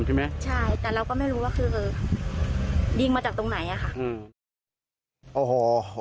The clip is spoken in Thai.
ใช่แต่เราก็ไม่รู้ว่าคือยิงมาจากตรงไหน